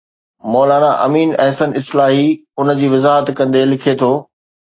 مولانا امين احسن اصلاحي ان جي وضاحت ڪندي لکي ٿو